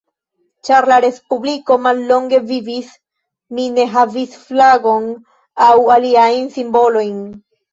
Ĉar la respubliko mallonge vivis, ĝi ne havis flagon aŭ aliajn simbolojn.